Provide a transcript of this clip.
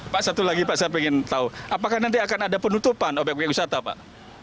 pak satu lagi saya ingin tahu apakah nanti akan ada penutupan objek pengusata pak